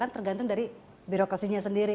tergantung dari birokrasinya sendiri